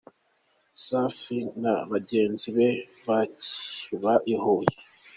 Safi na bagenzi be bakiba i Huye.